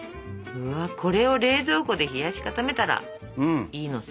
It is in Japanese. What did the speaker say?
これを冷蔵庫で冷やし固めたらいいのさ。